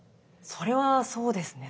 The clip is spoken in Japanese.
それはそうですね。